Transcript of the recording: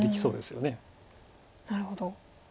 なるほど。